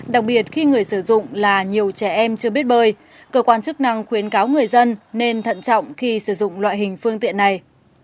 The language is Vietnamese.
đặc biệt khi người sử dụng là nhiều trẻ em chưa biết bơi cơ quan chức năng khuyến cáo người dân nên thận trọng khi sử dụng loại hình phương tiện này